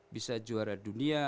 bisa juara dunia